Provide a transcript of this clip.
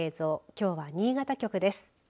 きょうは新潟局です。